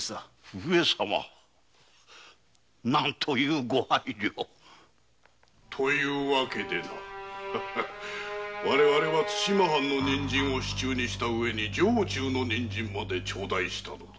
上様なんという御配慮という訳でな我々は対馬藩の人参を手中にした上に城中の人参まで手にしたのだ。